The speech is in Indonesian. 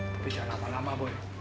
tapi jangan lama lama boy